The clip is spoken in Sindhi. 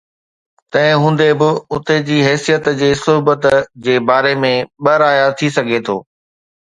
تنهن هوندي به، اتي جي حيثيت جي صحبت جي باري ۾ ٻه رايا ٿي سگهي ٿو.